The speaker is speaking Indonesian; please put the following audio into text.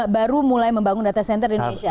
baru mulai membangun data center di indonesia